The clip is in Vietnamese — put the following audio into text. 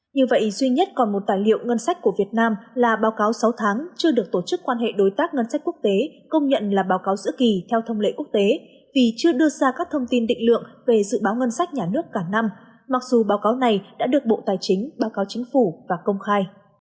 như vậy duy nhất còn một tài liệu ngân sách của việt nam là báo cáo sáu tháng chưa được tổ chức quan hệ đối tác ngân sách quốc tế công nhận là báo cáo giữa kỳ theo thông lệ quốc tế vì chưa đưa ra các thông tin định lượng về dự báo ngân sách nhà nước cả năm mặc dù báo cáo này đã được bộ tài chính báo cáo chính phủ và công khai